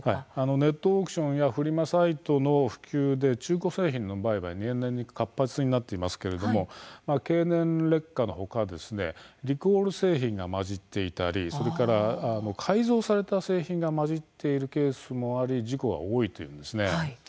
ネットオークションやフリマサイトの普及で中古製品の売買は年々活発になっていますけれども経年劣化のほかリコール製品が混じっていたり改造された製品が混じっているケースが多いというんです。